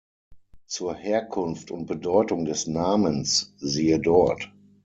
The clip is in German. Zur Herkunft und Bedeutung des Namens, siehe dort.